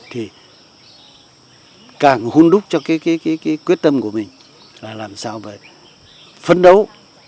thì càng hôn đúc cho cái quyết tâm của mình là làm sao phải phấn đấu